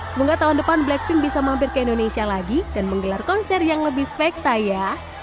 semoga tahun depan blackpink bisa mampir ke indonesia lagi dan menggelar konser yang lebih spekta ya